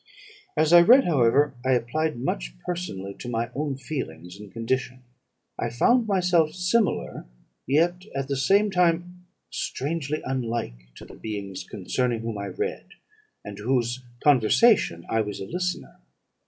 "As I read, however, I applied much personally to my own feelings and condition. I found myself similar, yet at the same time strangely unlike to the beings concerning whom I read, and to whose conversation I was a listener.